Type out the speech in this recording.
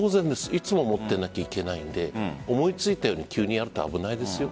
いつも持っていなければいけないので思いついたように急にやると危ないですよ。